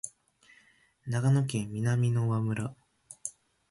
長野県南箕輪村